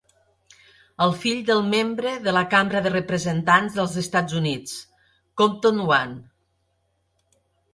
El fill del membre de la Cambra de Representants dels Estats Units, Compton I.